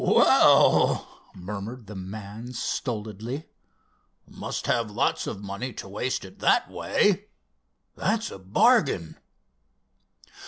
"Well!" murmured the man stolidly. "Must have lots of money to waste it that way. That's a bargain.